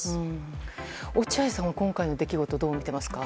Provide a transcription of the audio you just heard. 落合さんは今回の出来事をどう見ていますか？